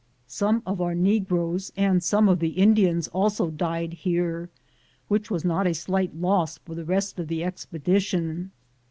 Some of our negroes and some of the Indians also died here, which was not a alight loss for the rest of the expedition.